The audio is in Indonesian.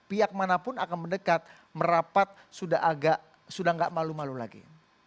pihak manapun akan mendekat merapat sudah agak sudah nggak malu malu lagi